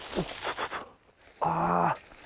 ああ。